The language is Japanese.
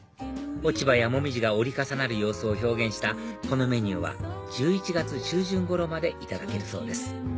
落ち葉やモミジが折り重なる様子を表現したこのメニューは１１月中旬頃までいただけるそうです